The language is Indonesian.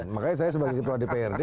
makanya saya sebagai ketua dprd